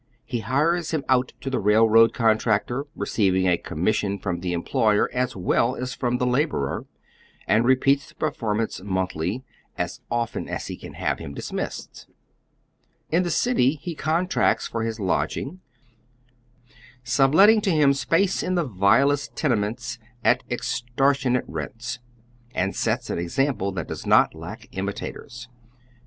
He hires him out to tlie railroad contractor, receiving a commission from the em ployer as well as from the laborer, and repeats tlie perform ance monthly, or as often as he can have him dismissed. oy Google 50 ui)V. I'liK <irTiKii H.vr.i i.n km. In the city lie contracts for liis lodging, subletting to liini space in the vilest tenements at extortionate J'ents, and sets an example that does not lack imitators.